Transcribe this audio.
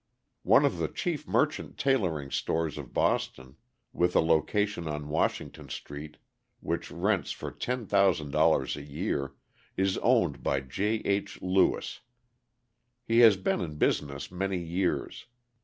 One of the chief merchant tailoring stores of Boston, with a location on Washington Street which rents for $10,000 a year, is owned by J. H. Lewis. He has been in business many years.